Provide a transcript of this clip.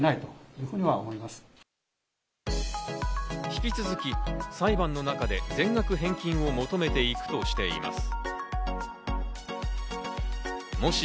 引き続き裁判の中で全額返金を求めていくとしています。